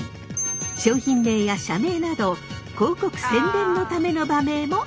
商品名や社名など広告・宣伝のための馬名もＮＧ。